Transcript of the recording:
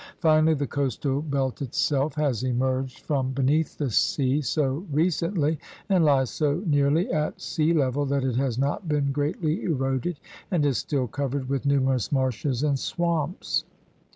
Finally the coastal belt itself has emerged from 70 THE RED MAN'S CONTINENT beneath the sea so recently and Hes so nearly at sea level that it has not been greatly eroded, and is still covered with numerous marshes and swamps.